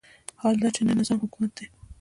حال دا چې نه نظام حکومت دی.